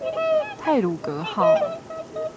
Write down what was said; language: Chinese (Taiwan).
太魯閣號